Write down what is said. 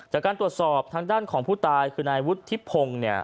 จากการตรวจสอบทางด้านของผู้ตายคือนายวุฒิพงศ์เนี่ย